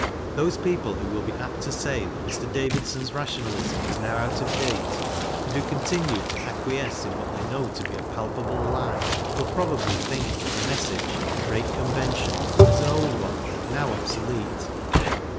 Those people who will be apt to say that Mr. Davidson's rationalism is now out of date, and who continue to acquiesce in what they know to be a palpable lie, will probably think that the message " Break convention " is an old one, now obsolete.